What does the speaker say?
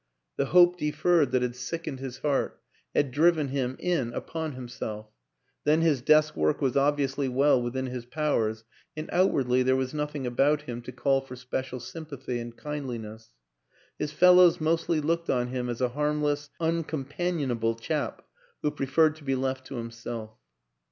The hope deferred that had sickened his heart had driven him in upon himself; then his desk work was obviously well within his powers and outwardly there was nothing about him to call for special sympathy and kind liness. His fellows mostly looked on him as a harmless, uncompanionable chap who preferred to be left to himself.